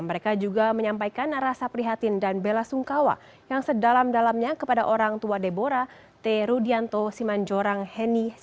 mereka juga menyampaikan rasa prihatin dan bela sungkawa yang sedalam dalamnya kepada orang tua deborah